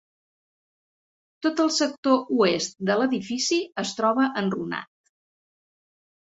Tot el sector oest de l'edifici es troba enrunat.